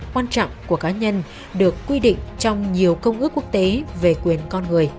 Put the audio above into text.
là một quyền cơ bản quan trọng của cá nhân được quy định trong nhiều công ước quốc tế về quyền con người